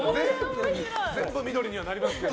全部緑にはなりますけど。